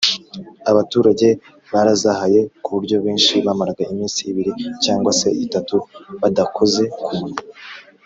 abaturage barazahaye ku buryo benshi bamaraga iminsi ibir cyangwa se itatu badakoze ku munwa.